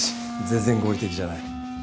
全然合理的じゃない。